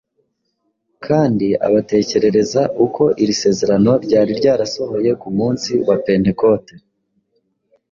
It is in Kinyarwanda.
kandi abatekerereza uko iri sezerano ryari ryarasohoye ku munsi wa Pentekote.